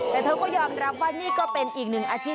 แต่เธอก็ยอมรับว่านี่ก็เป็นอีกหนึ่งอาชีพ